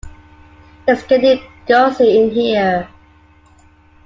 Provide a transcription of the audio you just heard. It's getting ghostly in here.